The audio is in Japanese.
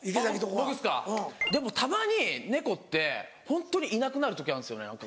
僕ですかでもたまに猫ってホントにいなくなる時あるんですよね。